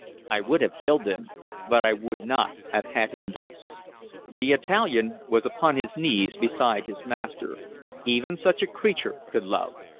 I would have killed him, but I would not have had him thus. The Italian was upon his knees beside his master: even such a creature could love.